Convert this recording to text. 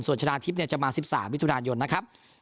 ส่วนชนะทิพย์จะมา๑๓มิถุนายนนะครับ